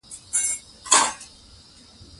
دا نښه باید لوړه وساتو.